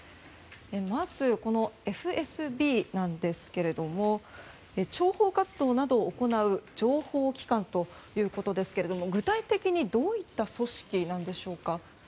まず、このＦＳＢなんですが諜報活動などを行う情報機関ということですが具体的にどういった組織なんでしょうか。